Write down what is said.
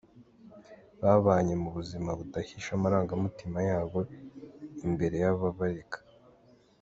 Babanye mu buzima budahisha amarangamutima y’abo imbere y’ababarega.